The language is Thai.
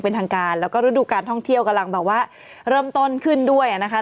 เป็นทางการและรู้ดุการท่องเที่ยวกำลังบอกว่า